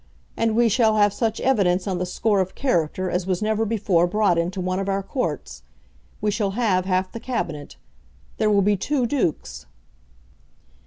And we shall have such evidence on the score of character as was never before brought into one of our courts. We shall have half the Cabinet. There will be two dukes."